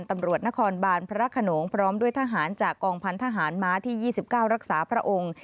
ตำรวจนครบานพระขนงพร้อมด้วยทหารจากกองพันธหารม้าที่๒๙รักษาพระองค์